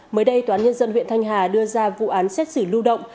mới đây toán nhân dân huyện thanh hà đưa ra vụ án xét xử lưu động